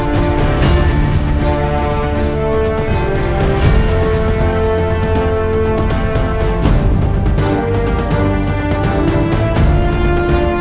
hanya sekedar tak ada nasib